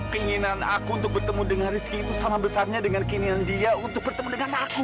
keinginan aku untuk bertemu dengan rizky itu sama besarnya dengan keinginan dia untuk bertemu dengan aku